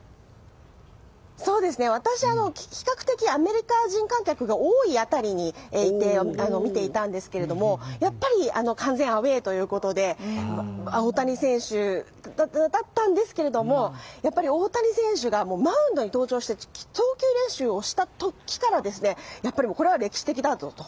私は比較的アメリカ人観客が多い辺りにいて見ていたんですが、やっぱり完全アウェーということで大谷選手だったんですけれどもやっぱり大谷選手がマウンドに登場して投球練習をした時からこれは歴史的だと。